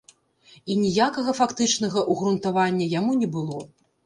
І ніякага фактычнага ўгрунтавання яму не было.